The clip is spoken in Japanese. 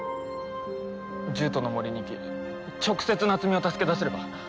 獣人の森に行き直接夏美を助け出せれば。